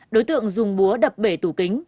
đối tượng dùng búa đập bể tủ kính